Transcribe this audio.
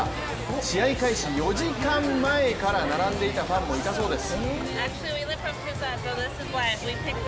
試合開始４時間前から並んでいたファンもいたそうです。